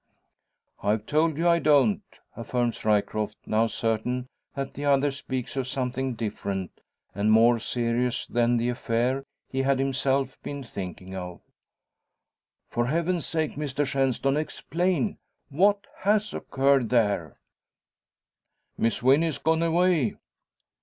"I've told you I don't," affirms Ryecroft, now certain that the other speaks of something different, and more serious than the affair he had himself been thinking of. "For Heaven's sake, Mr Shenstone, explain! What has occurred there?" "Miss Wynn is gone away!"